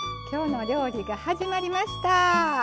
「きょうの料理」が始まりました。